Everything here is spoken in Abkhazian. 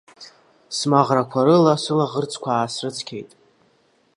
Смаӷрақәа рыла сылаӷырӡқәа аасрыцқьеит.